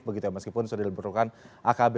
begitu ya meskipun sudah diperlukan akb